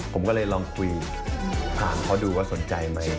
ผมก็เลยลองคุยถามเขาดูว่าสนใจไหม